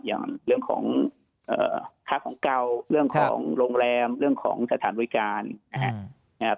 อย่างเรื่องของค่าของเก่าเรื่องของโรงแรมเรื่องของสถานบริการนะครับ